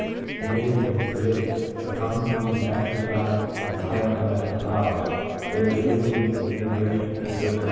In addition to this, accompanying the exercise of the higher intellectual powers, there is frequently an innervation of certain muscles, particu 1 H.